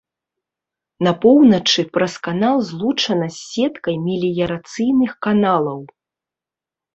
На поўначы праз канал злучана з сеткай меліярацыйных каналаў.